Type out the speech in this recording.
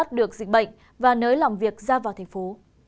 các tỉnh đồng nai đã được dịch bệnh và nới lòng việc ra vào thành phố